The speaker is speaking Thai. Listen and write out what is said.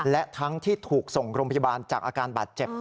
และทั้งที่ถูกส่งโรงพยาบาลจากอาการบาดเจ็บ